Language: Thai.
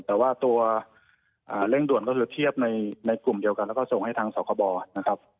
แต่ว่าตัวเร่งด่วนก็คือเทียบในกลุ่มเดียวกันแล้วก็ส่งให้ทางสคบนะครับ